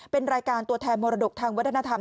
เป็นรายการตัวแทนมรดกทางวัฒนธรรม